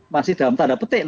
masih dalam tanda petik